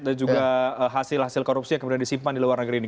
dan juga hasil hasil korupsi yang kemudian disimpan di luar negeri ini